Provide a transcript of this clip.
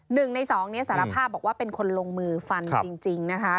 หนึ่งในสองเนี่ยสารภาพบอกว่าเป็นคนลงมือฟันจริงนะคะ